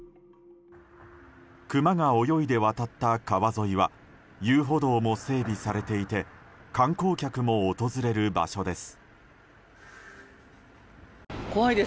クマが泳いで渡った川沿いは遊歩道も整備されていて観光客も訪れる場所です。